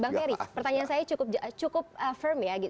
bang ferry pertanyaan saya cukup firm ya